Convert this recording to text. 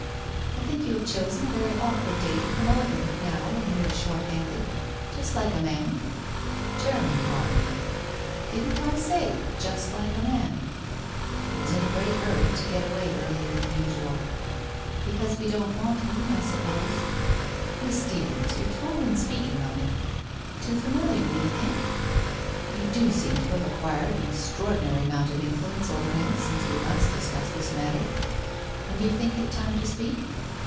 ' I think you have chosen a very awkward day to come over, now, when we are short handed. Just like a man !'' Jeremy brought me/ ' Didn't I say, just like a man !'' He was in a great hurry to get away earlier than usual !'' Because we don't want him, I suppose.' ' Miss Stephens, your tone in speaking of him '* Too familiar, do you think? ': You do seem to have acquired an extraordinary amount of influence over him since we last discussed this matter! '' And you think it time to speak?